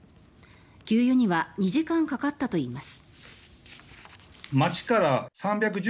給油には２時間かかったといいます。